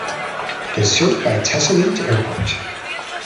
It is served by Tessalit Airport.